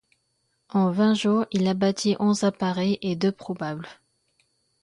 En vingt jours, il abattit onze appareils et deux probables.